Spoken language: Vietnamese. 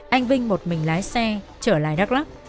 anh vinh một mình lái xe trở lại đắk lắc